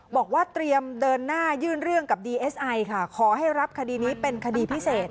บอกว่าเตรียมเดินหน้ายื่นเรื่องกับดีเอสไอค่ะขอให้รับคดีนี้เป็นคดีพิเศษ